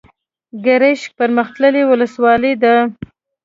ګرشک پرمختللې ولسوالۍ ده.